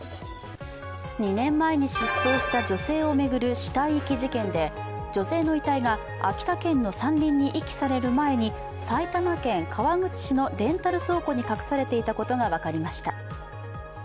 ２年前に失踪した女性を巡る死体遺棄事件で女性の遺体が秋田県の山林に遺棄される前に埼玉県川口市のレンタル倉庫に隠されていたことが分かりました。